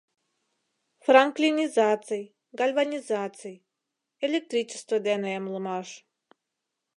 Франклинизаций, гальванизаций — электричество дене эмлымаш.